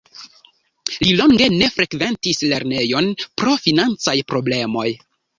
Li longe ne frekventis lernejon pro financaj problemoj.